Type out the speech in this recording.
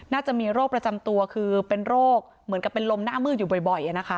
น่าจะมีโรคประจำตัวคือเป็นโรคเหมือนกับเป็นลมหน้ามืดอยู่บ่อยนะคะ